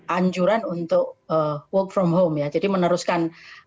anjuran untuk work from home ya jadi meneruskan